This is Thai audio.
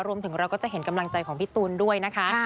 รวมถึงเราก็จะเห็นกำลังใจของพี่ตูนด้วยนะคะ